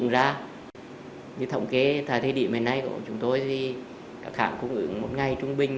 thực ra như thổng kế thời điểm hôm nay của chúng tôi thì các hàng cũng ưu một ngày trung bình